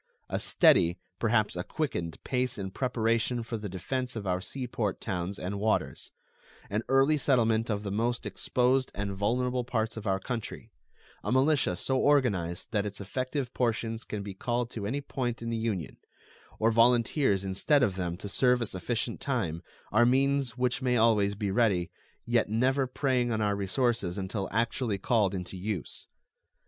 A steady, perhaps a quickened, pace in preparation for the defense of our sea port towns and waters; an early settlement of the most exposed and vulnerable parts of our country; a militia so organized that its effective portions can be called to any point in the Union, or volunteers instead of them to serve a sufficient time, are means which may always be ready, yet never preying on our resources until actually called into use.